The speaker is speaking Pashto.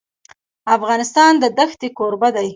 افغانستان د ښتې کوربه دی.